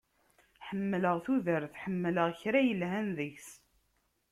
Ḥemmleɣ tudert, ḥemmleɣ kra yelhan deg-s.